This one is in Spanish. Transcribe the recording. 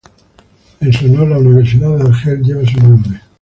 En su honor, la universidad de Argel lleva su nombre.